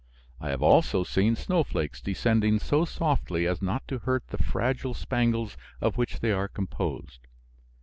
I have also seen snowflakes descending so softly as not to hurt the fragile spangles of which they are composed.